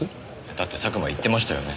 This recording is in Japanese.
だって佐久間言ってましたよね。